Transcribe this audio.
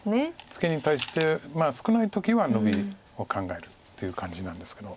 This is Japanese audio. ツケに対して少ない時はノビを考えるっていう感じなんですけど。